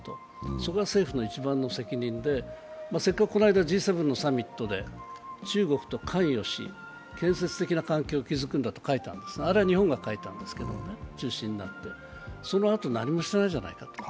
そこが政府の一番の責任でせっかくこの間Ｇ７のサミットで中国と関与し、建設的な関係を築くんだとあれは日本が中心になって書いたんですけどね、そのあと何もしてないじゃないか。